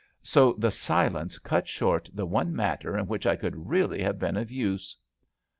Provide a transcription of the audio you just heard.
So the silence cut short the one matter in which I could really have been of use.